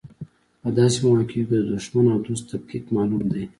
په داسې مواقعو کې د دوښمن او دوست تفکیک معلوم دی.